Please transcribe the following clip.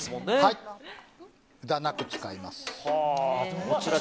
無駄なく使います。